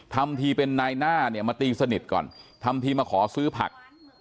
ทำทีเป็นนายหน้าเนี่ยมาตีสนิทก่อนทำทีมาขอซื้อผัก